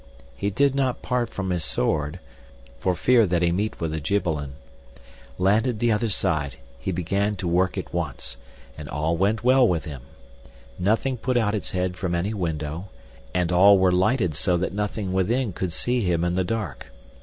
He did not part from his sword, for fear that he meet with a Gibbelin. Landed the other side, he began to work at once, and all went well with him. Nothing put out its head from any window, and all were lighted so that nothing within could see him in the dark.